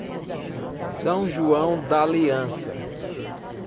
São João d'Aliança